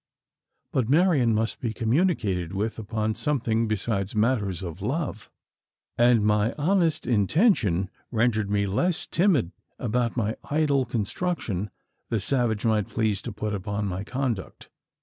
But Marian must be communicated with upon something besides matters of love; and my honest intention rendered me less timid about any idle construction the savage might please to put upon my conduct.